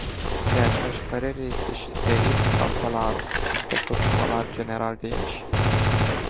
De aceeași părere este și Seril Talpălaru, inspectorul școlar general de Iași.